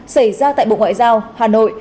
xảy ra tại bộ ngoại giao hà nội